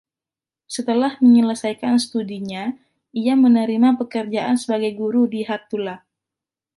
Setelah menyelesaikan studinya, ia menerima pekerjaan sebagai guru di Hattula.